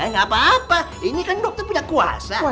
gak apa apa ini kan dokter pindah kuasa